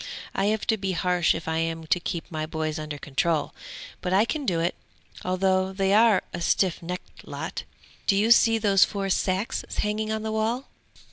I have to be harsh if I am to keep my boys under control! But I can do it, although they are a stiff necked lot! Do you see those four sacks hanging on the wall?